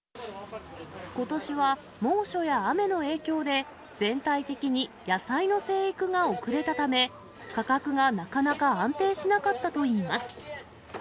ことしは猛暑や雨の影響で、全体的に野菜の生育が遅れたため、価格がなかなか安定しなかったといいます。